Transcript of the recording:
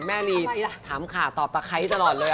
แม่นี่ถามขาตอบปะไคร้ตลอดเลยอะ